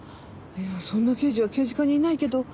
そんな刑事は刑事課にいないけど。